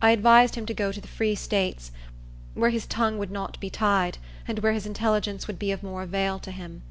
I advised him to go to the Free States, where his tongue would not be tied, and where his intelligence would be of more avail to him.